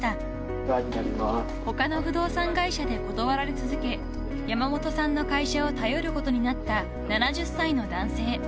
［他の不動産会社で断られ続け山本さんの会社を頼ることになった７０歳の男性］